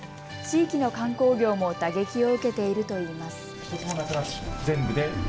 地域の観光業も打撃を受けているといいます。